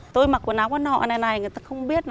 tôi mặc quần áo quán họ này này người ta không biết